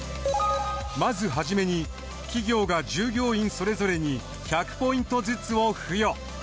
まずはじめに企業が従業員それぞれに１００ポイントずつを付与。